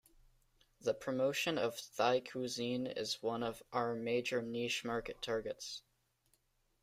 The promotion of Thai cuisine is one of our major niche-market targets.